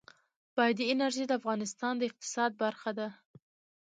بادي انرژي د افغانستان د اقتصاد برخه ده.